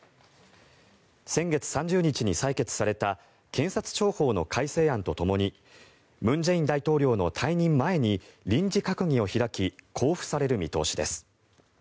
先月３０日に採決された検察庁法の改正案とともに文在寅大統領の退任前に臨時閣議を開き公布される見通しです。